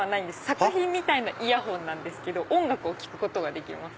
作品みたいなイヤホンですけど音楽を聴くことができます。